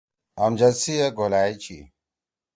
امجد سی اے گھولأئی چھی۔